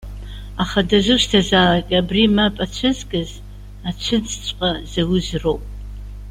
Аха дазусҭазаалак абри мап ацәызкыз, ацәыӡҵәҟьа зауз роуп.